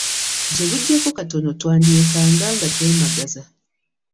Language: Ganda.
Gye bujjako katono twandyekanga nga twemagaza!